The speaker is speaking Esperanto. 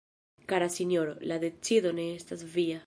Kara Sinjoro, la decido ne estas via.